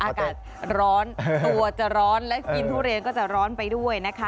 อากาศร้อนตัวจะร้อนและกินทุเรียนก็จะร้อนไปด้วยนะคะ